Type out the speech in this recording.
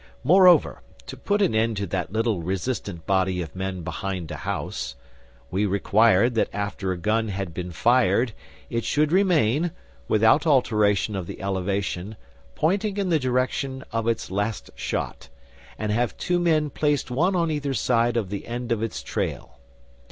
Moreover, to put an end to that little resistant body of men behind a house, we required that after a gun had been fired it should remain, without alteration of the elevation, pointing in the direction of its last shot, and have two men placed one on either side of the end of its trail.